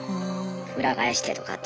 裏返してとかって。